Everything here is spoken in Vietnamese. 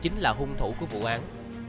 mối thù của vụ án